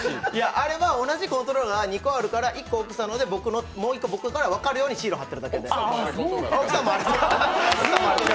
あれは同じコントローラーが２個あるから、１個、奧さんので、もう１個、僕のだって分かるように貼ってある。